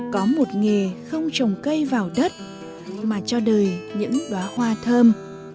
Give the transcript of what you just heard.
có một nghề không trồng cây vào đất mà cho đời những đoá hoa thơm